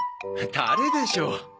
タレでしょう。